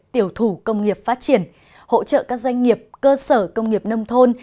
tiểu thủ công nghiệp phát triển hỗ trợ các doanh nghiệp cơ sở công nghiệp nông thôn